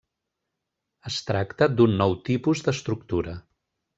Es tracta d'un nou tipus d'estructura.